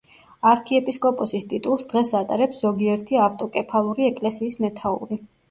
არქიეპისკოპოსის ტიტულს დღეს ატარებს ზოგიერთი ავტოკეფალური ეკლესიის მეთაური.